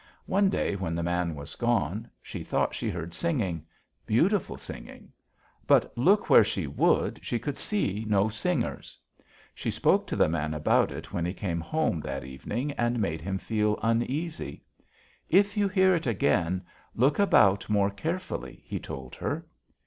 One day, when the man was gone, she thought she heard singing; beautiful singing; but look where she would she could see no singers. She spoke to the man about it when he came home that evening, and made him feel uneasy: 'If you hear it again, look about more carefully,' he told her.